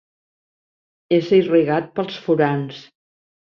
És irrigat pels furans.